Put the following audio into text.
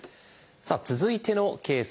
さあ続いてのケースです。